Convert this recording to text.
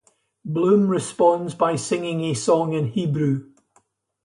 Bloom responds by singing a song in Hebrew.